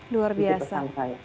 itu pesan saya